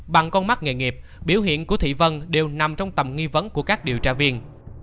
bằng con mắt nghề nghiệp biểu hiện của thị vân đều nằm trong tầm nghi vấn của các điều tra viên